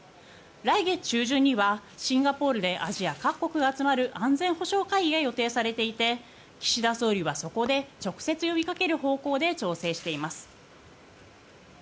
来月中旬にはシンガポールでアジア各国が集まる安全保障会議が予定されていて岸田総理はそこで直接呼びかける方向で調整しています。